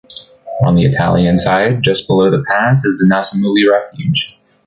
On the Italian side, just below the pass, is the Nacamuli refuge.